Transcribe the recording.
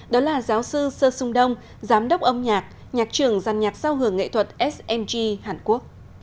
đó là giáo sư sơ xuân đông giám đốc âm nhạc nhạc trường dàn nhạc sao hưởng nghệ thuật smg hàn quốc